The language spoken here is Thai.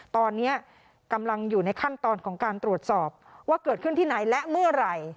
ตอนนี้กำลังอยู่ในขั้นตอนของการตรวจสอบว่าเกิดขึ้นที่ไหนและเมื่อไหร่